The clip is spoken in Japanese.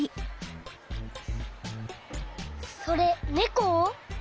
それねこ？